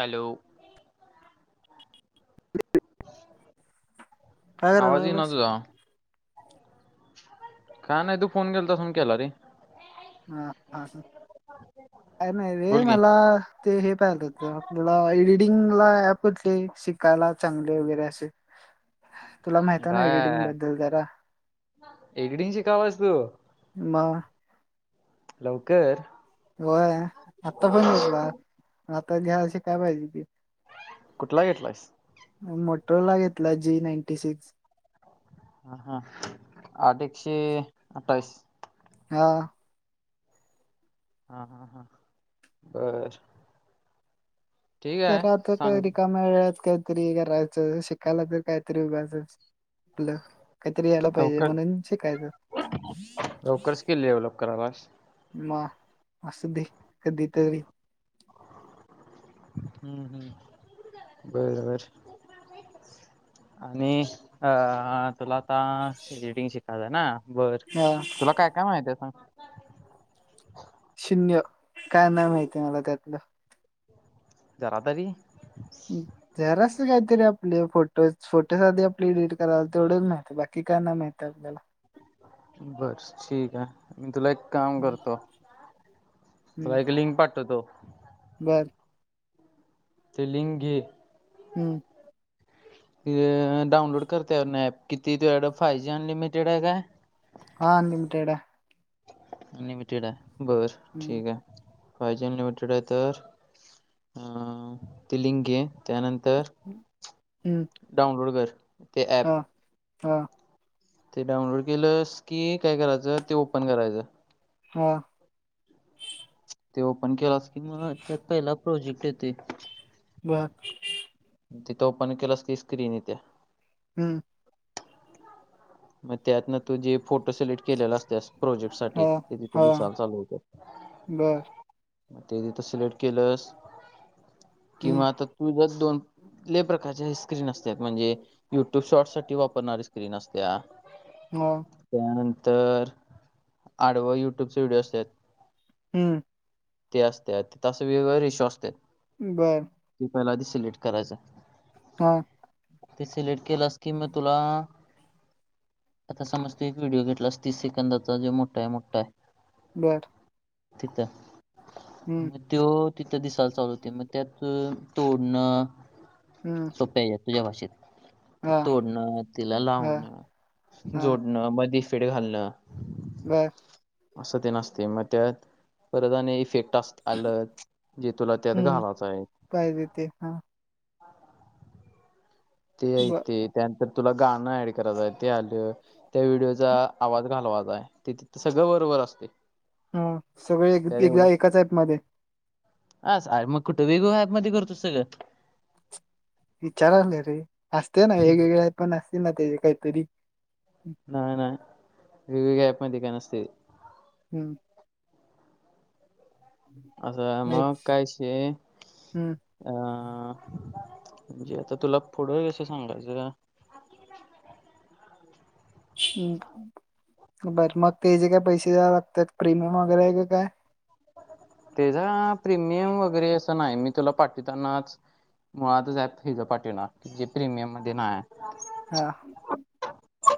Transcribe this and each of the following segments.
Hello ह आवाजही लागलास? नत का नाही तू फोन केेल तस म केला रे हाा का नाही रे बोल की मला ते हे पाहिलं होत आपल्याला एडिटिंगला ऍप होटले शिकायला चांगले वगैरे असे ह तुला माहित आहे ना एडिटिंग काय बद्दल जरा एकडंची का वाजतू म लवकर होय आत्ता फोन घेतला आता घ्याशी काय पाहिजे ती कुठला घेतलायस मोटरो ला घेतला जी नाईंटी सिक्स ह हा आठ एकशे अठ्ठावीस हा हा हा हा बर ठीक ते आहे सांग मळत काहीतरी करायचं शिकायला तर काहीतरी उभा आपलं काहीतरी यायला पाहिजे लवकर म्हणून शिकायचं लवकर स्किल डेव्हलप करायलास म अस दे कधी तरी हम्म हम् बरोबर आणि अ तुला आता एडिटिंग शिकायचं आहे ना बर हा तुला काय काय माहिित आहे सां शून्य काय ना माती मला त्यातलं जराातारी हम्म जरास काहीतरी आपले फोटो फोटो आधी आपले एडिट करावला तेवढंच माहत बाकी काय नाही माहत आपल्याला बस ठीक आहे मी तुला एक काम हम्म, करतो तला एक लिंक पाठतो तो बरं तेलंगे हम्म. डाउनलोड करतेन, ॲप किती तूड फाय जी अनलिमिटेड ह का. हा अनलिमिेड आहे. अनलिमिटेड आहे बर हम्म, ठीक आहे. पाहिजे अनलिमिटेड आहे तर अ तिलिंगे त्यानंतर. हम् डाऊनलोड कर. ते हा ॲप हा ते डाउनलोड केलंस, की काय करायचं ते ओपन करायचं. हा ते ओपन केलास की मग त्यात, पहिला प्रोजेक्ट येतंय. बरं तिथं ओपन केलंस की स्क्रीन यथे. हम्म. मग त्यातन तू जे फोटो, सिलेक्ट केलेला असतेस प्रोजेक्ट. साठी हा तिथ हा म सल चालू होत. बर मग ते ती तर सिलेक्ट, केलंस हम्म, किंवा आता. तु जर दोनले प्रकारचे स्क्रीन असतात म्हणजे, युट्यूब शॉट साठी वापरणारी स्क्रीन असते. त्या मग. त्यानंतर आडवं युट्यूबच व्हिडिओ असत्यात. हूं ते असत्यात तिथं वेगवेगळं रिशू असत्यात. बरं. ते पहिला आधी सिलेक्ट करायचं. हा ते सिलेक्ट केलास कि मग तुला. आता समज तू एक व्हिडिओ घेतलास, तीस सेकंदाचा जो मोठा आहे, मोठा आहे. बर. तिथं. हम्म, तो तिथं दिसायला चालू, होतोय मग त्यात तोडणं. हम्म. हुतयं तुझ्या भाषेत, हा तोडणं तिला हा लावणं हा जोड. न मधी फिड घालणं. बर असं तेन असतयं मग त्यात परत आणि इफेक्ट असत. आलं जे तुला त्यात हम्म, घालायचं आहे. पाहिजे ते का ते बर येतंय त्यानंतर तुला, गाणं ऍड करायचं ते आलं. त्या व्हिडिओचा आवाज घालवाचा आहे, त तिथं सगळं बरोबर असतयं. ह सगळं एकदा एकाच आपमध्ये. अस मग कुठं वेग हॅप मध्ये करतोस सगळं. विचारालोय रे असतयं ना वेगवेगळे्या पण, असतील ना त्या काहीतरी. नाय नाय वेगवेगळ्या, अँपमध्ये काय नसतय. हम्म असं हम्म मग कायशी. अ म्हणजे आता तुला पुढं कसं सांगायचं? ह् बरं मग तेजे काय पैसे द्यावे लागतात, प्रीमियम वगैरे आहे का काय? त्याचा प्रीमियम वगैरे असं, नाही मी तुला पाठतानाच. मुळातच अँप फ्रीच पाठवणार, जे प्रीमियम मध्ये नाहीय. हा.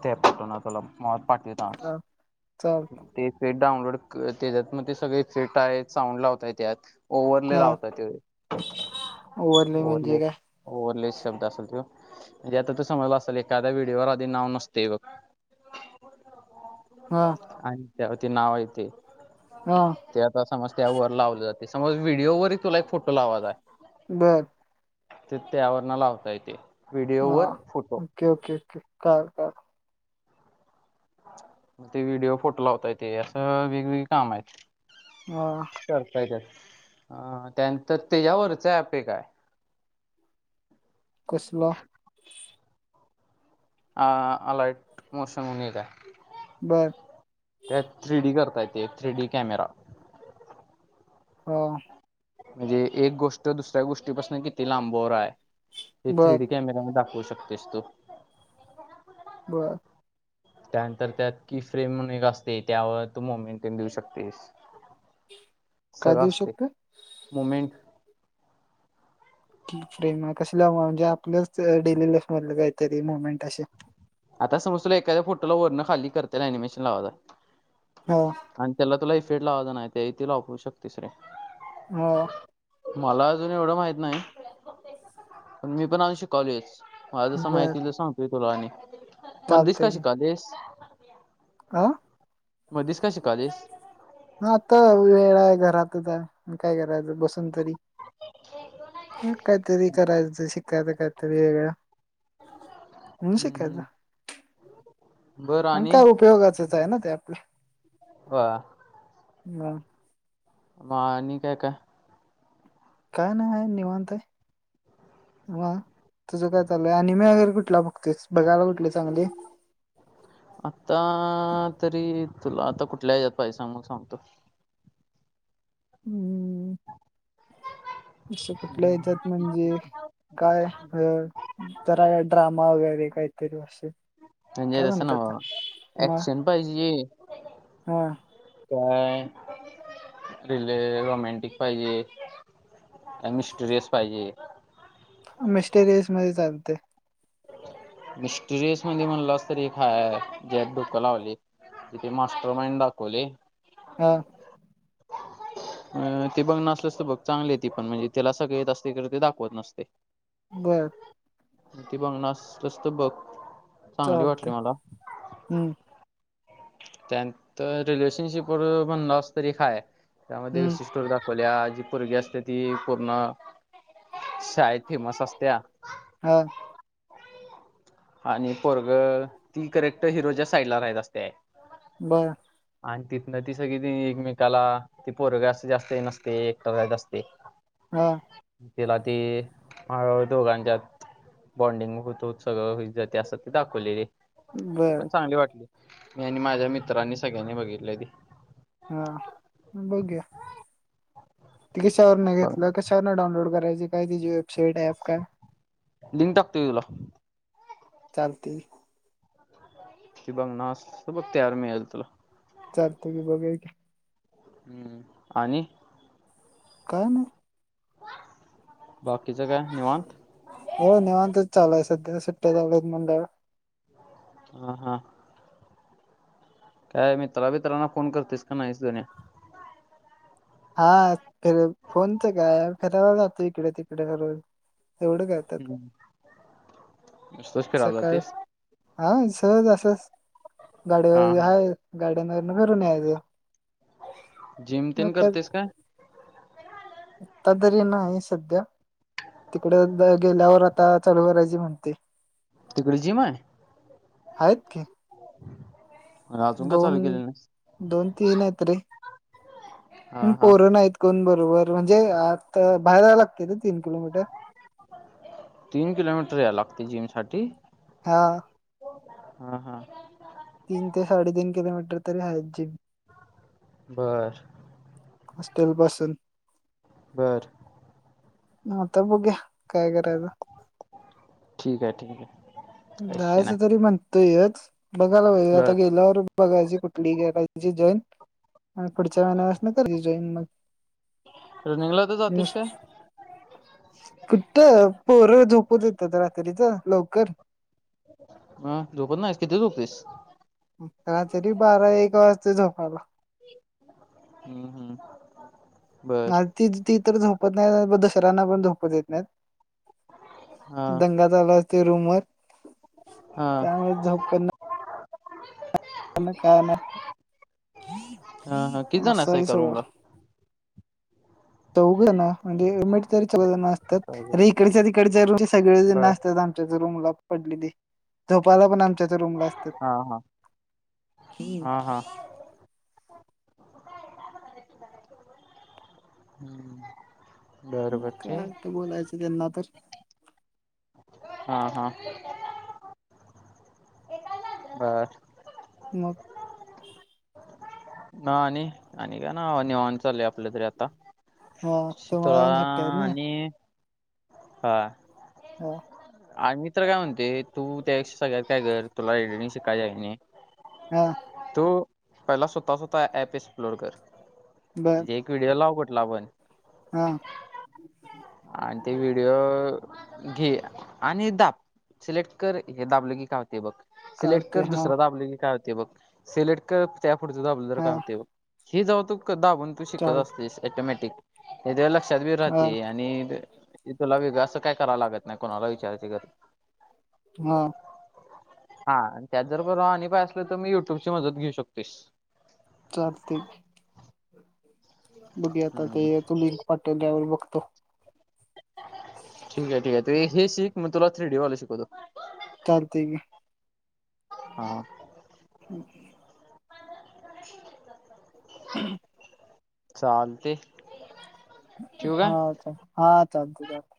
ते पाठव ना तुला [unintelligible] पाठवता आज. हा चाल तेेट डाउनलोड त्याच्यात मग ते सगळे फेट आहेत साउंड लावया येत्यात. ओव्हरले हा लावतात ते ओव्हरले म्हणजे ओव्हरलेस. काय ओव्हरलेस शब्द असलं त्यो, म्हणजे आता समजलं असल एखाद्या व्हिडिओवर आधी नाव नसतंय बघ. हा. आणि त्या ते नाव य ते. हा. ते आता समज त्यावर लावले जाते. समज व्हिडिओ वरही तुला एक फोटो लावाचा आहे. बर! ते त्या वरणालावता येते. हा! व्हिडिओवर फोटो ओके, ओके, ओके! कळालं, कळालं. ते व्हिडिओ फोटो लावता येतेय असं वेगवेगळी कामं आहेत. हो. करतायेत अ त्यांतर त्याच्यावरच अँप एक आहे. कसला. अ अलाईट मोशन म्हणून एक आहे. बरं! त्यात थ्री डी करता येतंय, एक थ्री डी कॅमेरा. हो. म्हणजे एक गोष्ट दुसऱ्या गोष्टीपासून किती लांबावर आहे. ते थ्री बर डी कॅमेरा मी दाखवू शकतेस तु. बरं! त्यानंतर त्यात की फ्रेम म्हणून एक असते, त्यावर तू मो मेंटेन देऊ शकतेस. काय सगळं देऊ असते शकतो मुमेंट. की फ्रेम कशी लाव म्हणजे आपलंच डेली लाईफ मधलं काहीतरी मुमेंट असे. आता समज तुला एखाद फो वरण खाली करतील अनिमेशन लावायचाय. हो. आणि त्याला तुला इफेड लावायचा नाही, ते त्याला वापरू शकतोस रे. हो. मला अजून एवढं माहित नाही, पण मी पण अजून शिकलोयच. मला जसं बर माहिती सांगतोय तुला आणि मण दिस का शिकालीस. का? मधेच का शिकालेस. ह आता वेळा आहे घरातच आहे काय करायचं बसून तरी. काहीतरी करायचं शिकायचं काहीतरी वेगळां. म्हणून हम्म शिकायचं. हम्म आणि काय उपयोगाचच आहे ना ते आपलं. हो. [unintelligible] म आणि काय काय. काय नाही निवांताय आहे. म तुझं काय चालूय आणि मी अगर कुठला बघतेस बघायला कुठले चांगले. आता तरी तुला आता कुठल्या ह्याच्यात पाहिजे सांग मग सांगतो. हम्म! असं कुठल्या याच्यात म्हणजे, काय जरा का ड्रामा वगैरे काहीतरी असे. म्हणजे काय तसं नव म्हणतात मग ॲक्शन पाहिजे, हा काय रिले रोमॅंटिक पाहिजे. आणि मिस्टरीज पाहिजे. मिस्टेरियस मध्ये चालते. मिस्टुरियस मध्ये म्हणल अस तरी काय जे डोकं लावली इथे मास्टर मइंडाकूले हां अ ते बघ नसलस तर बघ चांगली ती पण म्हणजे त्याला सगळे येत असते तर ते दाखवत नसते बरं न ब नाश प्रस्तव्यक चालते हम्म त्या नंतर रिलेशनशिप वर म्हम्हणालास तरी एक हाय हम्म दाखवल्या जी पोरगी असत्या ती पूर्ण शाळेत फेमस असत्या हा आणि पोरग ती करेक्ट हिरोच्या साईडला राहत असतय बरं आणि तिथन ती सगळी त एकमेकाला ती पोरग असं जास्त नसते एकटत असते. हा तिला ते हळ दोघांच्यात बॉनडिंग होत सगळं ज ते असत ते दाखवलेली ती बर पण चांगली वाटली. मी आणि माझ्या मित्रांनी सगळ्यांनी बघितलय ते हा बघुया ते कशावर न बघ घेतलं कशावरन डाउनलोड करायच काय त्याची वेबसाईट ऍप काय लिंक टाकतो तुला चालतय. [inaudible] चालतंय की बघूया की हम्म आणि काय नाही बाकी सगळ निवांत हो निेवांतच चालूय सध्या सुट्टया चालू हाइत म्हणल्यावर हा हा काय मित्रा बीत्रांना फोन करतयस का नाहीस धन्या हा फोनच काय फिरायला जातोय इकड तिकड रोज एवढे काय‌ हम्म नुसतंच फिरायला सकाळी जातेस हा सहज असच गार्डन हा पण हा हाय गार्डन वरन फिरून यायचं. जिम तेन करतेस काय आता तरी नाही सध्या तिकडे गेल्यावर आता चालू करायची म्हणतय. तिकड जिम हाय आहेत की अं, अजून का दोन चालू केलेली नाहीस दोन तीन आहेत रे हा पण हा पोर नाहीत कोण बरोबर म्हणजे आत बाहेर जायला लागतंय रे तीन किलोमीटर तीन किलोमीटर यायला लागतय जिम साठी हा हा हा तीन ते साडेतीन किलोमीटर तरी आहेत. बर हॉस्टेल पासून बरं मग आता बघूया काय करायचं. ठीक आहे ठीक आहे. कसे जायच नाही तरी म्हणतोयच बघायला पाहिजे बर आता गेल्यावर बघायची कुठली केलाईस जॉइन हा पुढच्या महिन्या पसन करील जॉईन मग रनिंगला तर जातईस काय कुठ पोर झोपू देत्यात रात्रीच लवकर अ झोपत नाहीस कितीला झोपतइस रात्री बारा एक वाजतय झोपायला हम्म हम्म बर ती ती तर झोपत नाही दशहर्यांना पण झोपत येत नाहीत हा दंगा चाल असते रूमर हा त्यामुळे झोपन् काय ना हा हा किती जण मसा असाय आहे का सग रूमला च उघं ना म्हणजेमेट तरी च असतात अरे इकडच्या तिकडच्या रूमचे सगळेजण बर असतात आमच्याच रूमला पडली ते झोपाला पण आमच्याच रूमला असतात हा हा हा हा [inaudible] हम्म काय तर बोलायचं त्यांना तर हा हा बर मग ह आणि आणि का ना निवान चाल आपलं तरी आता हा शितळा तुम्हाला पण सुट्ट्या आहेत ना आणि हा हो आणि मी तर्र काय म्हणते तू त्यापेक्षा सगळ्यात काय कर तुला रेडिंग शिकायच आहे नाही हा तो पहिला स्वतः स्वतः ऍप एक्सप्लोड कर बर म्हणजे पिडओ लाव कुठला आपण हा आणि ते व्हिडिओ घे आणि दाप सिलेक्ट कर हे दाबले की का होते बघ सिलेक्ट कळते कर हा दुसर दाबले की काय होते बघ सिलेक्ट कर त्या पुुढच दाबलं तर हा काय होते ब हे जाऊ तू दाबून तू शिकत चाल असतेस टोमॅटिक हे ते लक्षात बी हा राहते आणि इथुला वेग असं काय कराव लागत नाही कोणाला विचारयची गर हा हा त्यात जर ब अ पाय असल तर मी युट्यूब ची मदत घेऊ शकतेस चालते बघ आता ते हम्म तू लिंक पाटवल्यावर बघतो ठीके आहे ठीके आहे त हे शिक मग तुला थ्री डीवाला शिकवतो लते का हा हम् देत चालते ठेवू होा काय ल हा चालते चालत